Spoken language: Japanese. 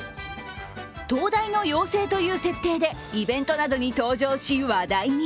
灯台の妖精という設定でイベントなどに登場し、話題に。